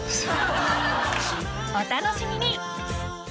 ［お楽しみに！］